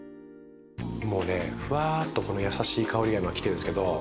もうねふわっとこのやさしい香りが今きてるんですけど。